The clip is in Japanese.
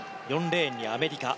４レーンにアメリカ。